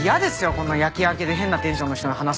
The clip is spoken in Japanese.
こんな夜勤明けで変なテンションの人に話すの。